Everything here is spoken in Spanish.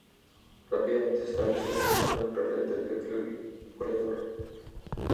Rápidamente se estableció como un gran referente del Club y goleador.